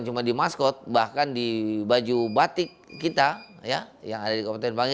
telur akan dihantarkan dari kawasan batui menuju kerajaan banggai